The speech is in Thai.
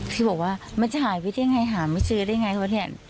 พี่บอกว่ามันจะหายไปได้ไงหามือซื้อได้ไงเขาบอกว่าเนี่ย